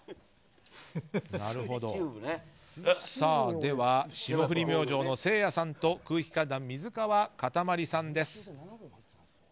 では霜降り明星のせいやさんと空気階段、水川かたまりさんです。